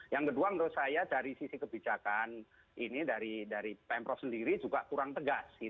yang kedua menurut saya dari sisi kebijakan ini dari pemprov sendiri juga kurang tegas